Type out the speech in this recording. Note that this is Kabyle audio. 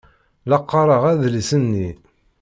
La qqaṛeɣ adlis-nni.